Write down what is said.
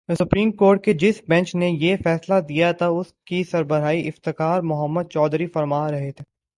Supreme court کے جس bench نے یہ فیصلہ دیا تھا، اس کی سربراہی افتخار محمد چودھری فرما رہے تھے۔